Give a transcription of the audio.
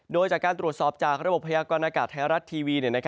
โดยจากการตรวจสอบจากระบบพยากรณากาศไทยรัฐทีวี